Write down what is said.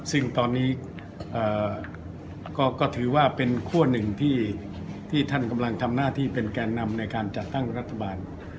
ซึ่งตอนนี้ก็ถือว่าเป็นคั่วหนึ่งที่ท่านกำลังทำหน้าที่เป็นแก่นำในการจัดตั้งรัฐบาล